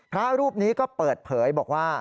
พระรูปนี้ก็เปิดเผยบอกว่า